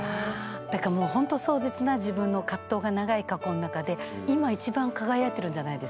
だからもうほんと壮絶な自分の葛藤が長い過去の中で今一番輝いてるんじゃないですか？